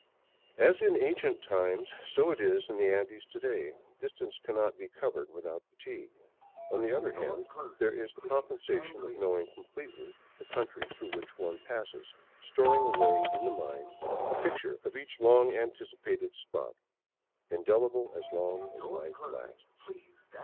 As in ancient times, so it is in the Andes to day; distance cannot be covered without fatigue. On the other hand there is the com pensation of knowing completely the country through which one passes, storing away in the mind a picture of each long anticipated spot, indelible as long as life lasts.